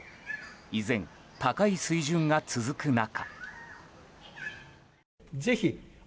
依然、高い水準が続く中。